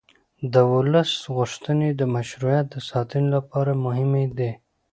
د ولس غوښتنې د مشروعیت د ساتنې لپاره مهمې دي